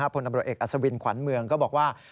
ผลบริเวณอสวินขวัญเมืองก็บอกว่า